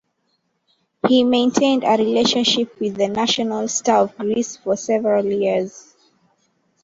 He maintained a relationship with the "national" Star of Greece for several years.